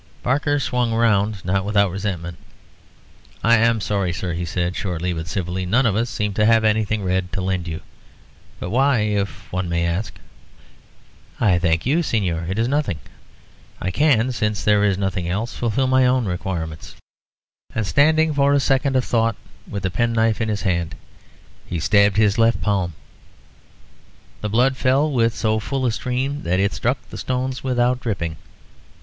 Barker swung round, not without resentment. "I am sorry, sir," he said, shortly but civilly, "none of us seem to have anything red to lend you. But why, if one may ask " "I thank you, Señor, it is nothing. I can, since there is nothing else, fulfil my own requirements." And standing for a second of thought with the penknife in his hand, he stabbed his left palm. The blood fell with so full a stream that it struck the stones without dripping.